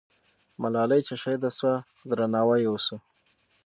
ملالۍ چې شهیده سوه، درناوی یې وسو.